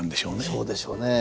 そうでしょうね。